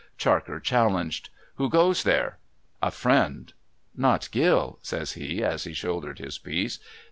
Charker challenged :' Who goes there ?'' A friend.' ' Not Gill ?' says he, as he shouldered his piece.